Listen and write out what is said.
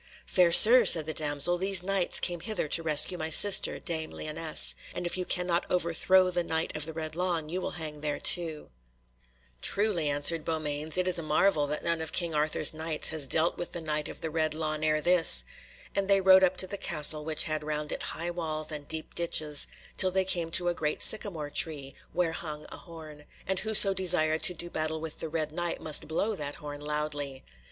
"Fair Sir," said the damsel, "these Knights came hither to rescue my sister, dame Lyonesse; and if you cannot overthrow the Knight of the Red Lawn, you will hang there too." [Illustration: The Lady of Lyonesse sees Sir Gareth] "Truly," answered Beaumains, "it is a marvel that none of King Arthur's Knights has dealt with the Knight of the Red Lawn ere this;" and they rode up to the castle, which had round it high walls and deep ditches, till they came to a great sycamore tree, where hung a horn. And whoso desired to do battle with the Red Knight must blow that horn loudly.